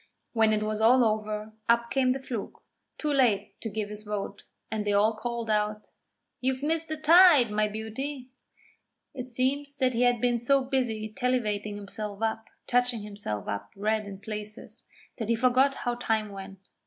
When it was all over, up came the Fluke, too late to give his vote, and they all called out: 'You've missed the tide, my beauty!' It seems that he had been so busy tallivating himself up, touching himself up red in places, that he forgot how time went.